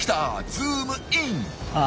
ズームイン！